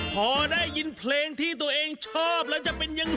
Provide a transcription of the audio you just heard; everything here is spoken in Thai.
พอได้ยินเพลงที่ตัวเองชอบแล้วจะเป็นยังไง